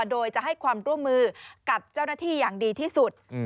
โดยจะให้ความร่วมมือกับเจ้าหน้าที่อย่างดีที่สุด